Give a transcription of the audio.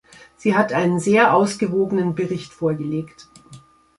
Sie hat einen sehr ausgewogenen Bericht vorgelegt.